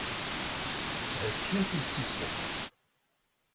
Hettken-t-id si ssuq.